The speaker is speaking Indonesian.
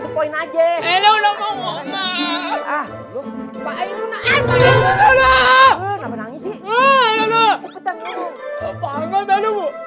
pak ahmad alamu